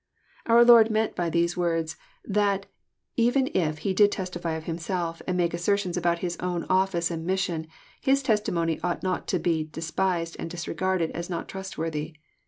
'X Our Lord 82 EXPOSnOBT THOUGHTS. meant by these words that even if He did testify of Himself, and make assertions about His own office and mission,. His testimony ought not to be despised and disregarded as not trustworthy.